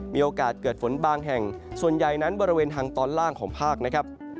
มีโอกาสเกิดฝนบางแห่งส่วนใหญ่นั้นบริเวณทางตอนล่างของภาคนะครับ